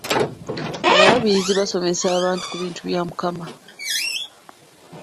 Abalabirizi basomesa abantu ku bintu bya Mukama.